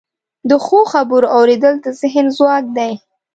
د ښو خبرو اوریدل د ذهن ځواک دی.